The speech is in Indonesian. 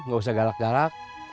gak usah galak galak